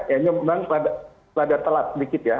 yang nyumbang selada telat sedikit ya